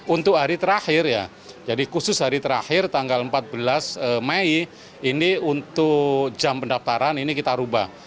untuk hari terakhir ya jadi khusus hari terakhir tanggal empat belas mei ini untuk jam pendaftaran ini kita ubah